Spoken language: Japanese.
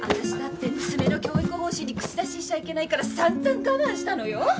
私だって娘の教育方針に口出ししちゃいけないから散々我慢したのよ！